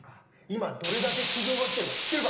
今どれだけ苦情が来てるか知ってるか？